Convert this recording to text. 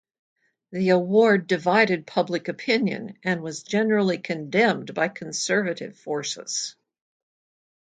The award divided public opinion, and was generally condemned by conservative forces.